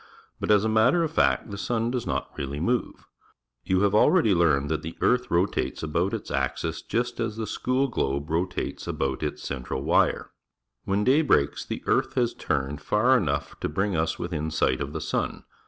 But, as a matter of fact, the sun does not really move. You have already learned that the earth rotates about its axis just as tlu> school glolie r()taf_es about its central wiic. ^^'hen day breaks, the earth has turned far enough to bring us within sight of the sun.